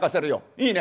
いいね。